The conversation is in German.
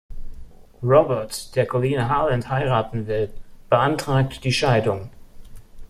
Robert, der Colleen Harland heiraten will, beantragt die Scheidung.